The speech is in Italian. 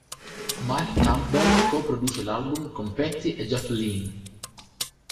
Mike Campbell co-produce l'album con Petty e Jeff Lynne.